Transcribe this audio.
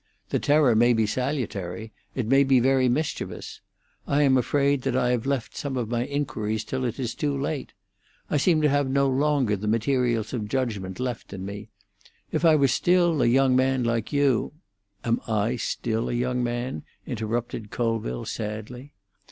The terror may be salutary; it may be very mischievous. I am afraid that I have left some of my inquiries till it is too late. I seem to have no longer the materials of judgment left in me. If I were still a young man like you——" "Am I still a young man?" interrupted Colville sadly.